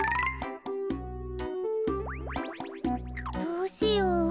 どうしよう。